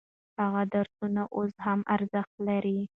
هغه درسونه اوس هم ارزښت لري.